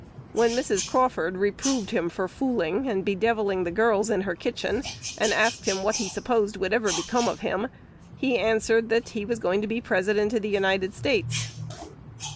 When Mrs. Crawford reproved him for "fooling," and bedevilling the girls in her kitchen, and asked him "what he supposed would ever become of him," he answered that "he was going to be President of the United States."